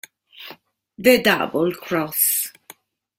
The Double Cross